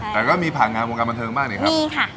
แต่ก็มีผ่านงามงานบันเทิงบ้างเนี่ยครับ